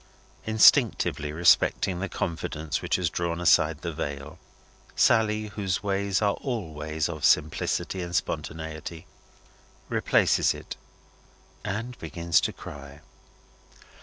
Instinctively respecting the confidence which has drawn aside the veil, Sally whose ways are all ways of simplicity and spontaneity replaces it, and begins to cry.